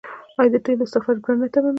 آیا د تیلو استخراج ګران نه تمامېږي؟